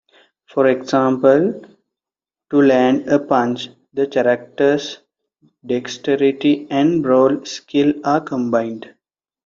For example, to land a punch, the character's dexterity and brawl skill are combined.